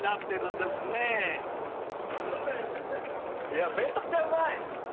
いやめっちゃうまい！